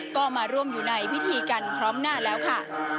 ก็มาร่วมอยู่ในพิธีกันพร้อมหน้าแล้วค่ะ